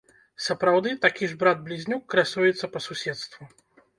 Сапраўды такі ж брат-блізнюк красуецца па суседству.